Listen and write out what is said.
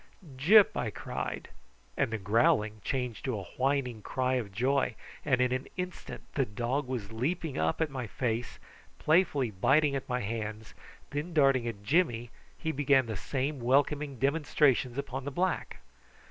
"Gyp!" I cried; and the growling changed to a whining cry of joy, and in an instant the dog was leaping up at my face, playfully biting at my hands, and then darting at Jimmy he began the same welcoming demonstrations upon the black.